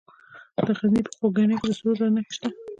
د غزني په خوږیاڼو کې د سرو زرو نښې شته.